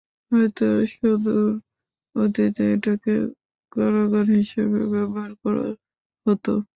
হয়তো সুদূর অতীতে এটাকে কারাগার হিসেবে ব্যবহার করা হত।